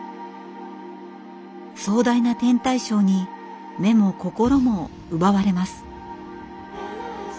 壮大な天体ショーに目も心も奪われます。